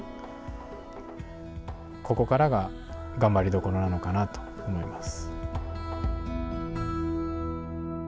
ここからが頑張りどころなのかなと思います。